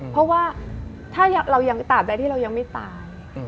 เพราะว่าถ้าเรายังตามใดที่เรายังไม่ตาย